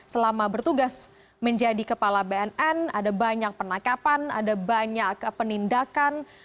selama bertugas menjadi kepala bnn ada banyak penangkapan ada banyak penindakan